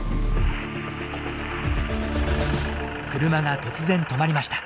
車が突然止まりました。